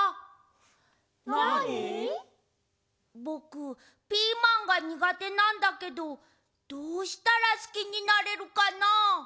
ぼくピーマンがにがてなんだけどどうしたらすきになれるかな？